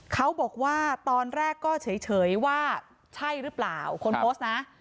เขาบอกว่าตอนแรกก็เฉยว่าใช่หรือเปล่าคนโพสต์นะ